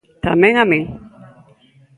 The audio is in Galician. Tamén a min...